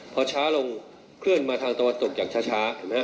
พอช้าลงเคลื่อนมาทางตะวันตกอย่างช้า